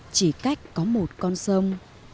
chỉ cách có một con sông